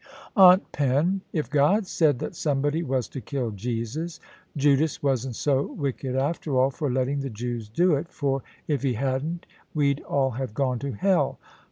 ' Aunt Pen, if God said that somebody was to kill Jesus, Judas wasn't so wicked after all for letting the Jews do it ; for if he hadn't, we'd all have gone to hell.'